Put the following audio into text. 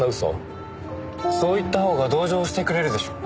そう言ったほうが同情してくれるでしょ？